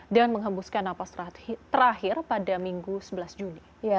dan menghembuskan napas terakhir pada minggu sebelas juni